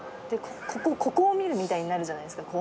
ここを見るみたいになるじゃないですか。